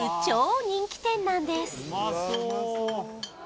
超人気店なんです